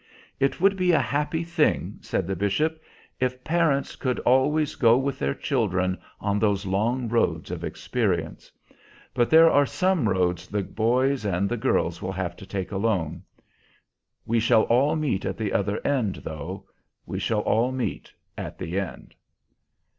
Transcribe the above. "It would be a happy thing," said the bishop, "if parents could always go with their children on these long roads of experience; but there are some roads the boys and the girls will have to take alone. We shall all meet at the other end, though we shall all meet at the end."